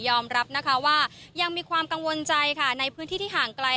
รับนะคะว่ายังมีความกังวลใจค่ะในพื้นที่ที่ห่างไกล